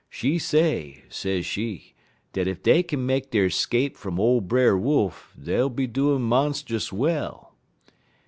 She say, sez she, dat if dey kin make der 'scape from ole Brer Wolf, dey'll be doin' monst'us well.